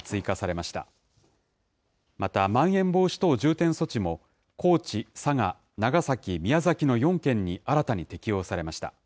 また、まん延防止等重点措置も、高知、佐賀、長崎、宮崎の４県に新たに適用されました。